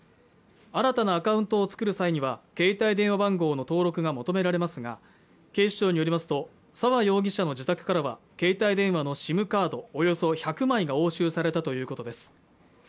新たなアカウントを作る際には携帯電話番号の登録が求められますが警視庁によりますと沢容疑者の自宅からは携帯電話のＳＩＭカードおよそ１００枚が押収されたということです